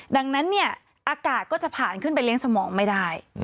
ดังนั้นเนี่ยอากาศก็จะผ่านขึ้นไปเลี้ยงสมองไม่ได้